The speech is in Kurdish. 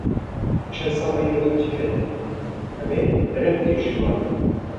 Şensa me îro trafîk heye, em ê dereng bigihîjin malê.